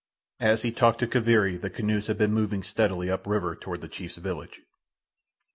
As he talked to Kaviri the canoes had been moving steadily up river toward the chief's village.